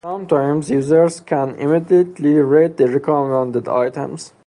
Sometimes, users can immediately rate the recommended items.